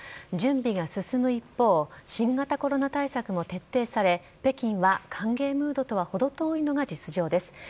準備が進む一方、新型コロナ対策も徹底され、北京は歓迎ムードとは程遠いのが実情です。